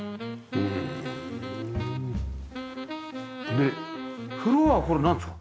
でフロアこれなんですか？